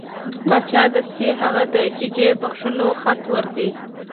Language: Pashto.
باچا دستي هغه د ججې بخښلو خط ورکړ.